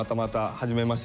はじめまして。